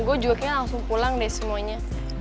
gue juga kayaknya langsung pulang deh semuanya